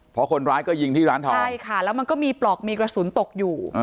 เพราะคนร้ายก็ยิงที่ร้านทองใช่ค่ะแล้วมันก็มีปลอกมีกระสุนตกอยู่